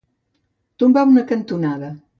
Tombar una cantonada.